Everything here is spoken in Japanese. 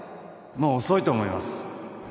もう遅いと思います